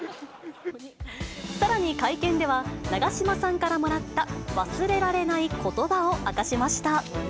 さらに会見では、長嶋さんからもらった忘れられないことばを明かしました。